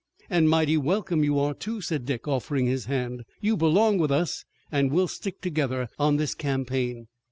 "And mighty welcome you are, too," said Dick, offering his hand. "You belong with us, and we'll stick together on this campaign."